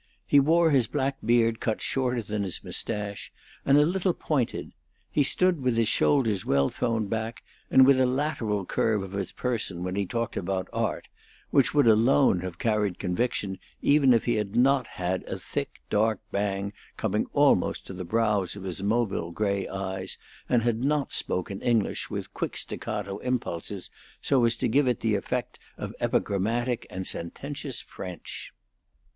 He wore his black beard cut shorter than his mustache, and a little pointed; he stood with his shoulders well thrown back and with a lateral curve of his person when he talked about art, which would alone have carried conviction even if he had not had a thick, dark bang coming almost to the brows of his mobile gray eyes, and had not spoken English with quick, staccato impulses, so as to give it the effect of epigrammatic and sententious French.